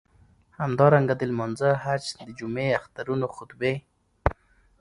همدارنګه د لمانځه، حج، د جمعی، اخترونو خطبی.